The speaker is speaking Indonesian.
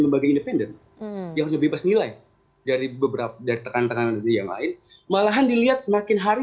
lembaga independen yang sudah bebas nilai dari beberapa dari tekan tekanan yang lain malahan dilihat makin hari